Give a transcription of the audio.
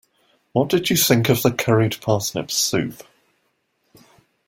What did you think of the curried parsnip soup?